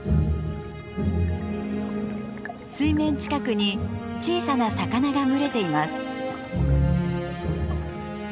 水面近くに小さな魚が群れています。